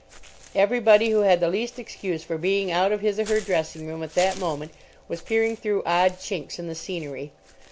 Everybody who had the least excuse for being out of his or her dressing room at that moment was peering through odd chinks in the scenery.